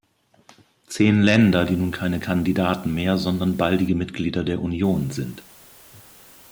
Zehn Länder, die nun keine "Kandidaten" mehr, sondern "baldige Mitglieder der Union" sind.